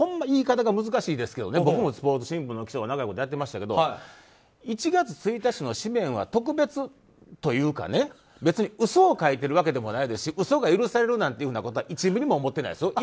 言い方が難しいですけど僕もスポーツ新聞の記者と仲良くやらせてもらってましたが１月１日の紙面は特別というか別に嘘を書いてるわけでもないですし嘘が許されるなんていうふうなことは１ミリも思ってないです。